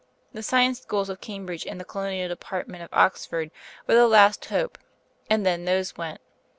The Science Schools of Cambridge and the Colonial Department of Oxford were the last hope; and then those went.